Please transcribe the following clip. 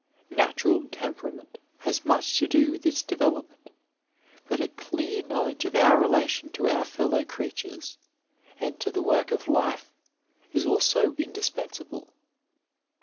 Natural tempera ment has much to do with its development, but a clear knowledge of our relation to our fellow creatures and to the work of life is also indispensable.